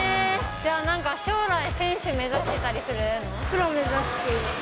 じゃあなんか、将来、プロ目指しています。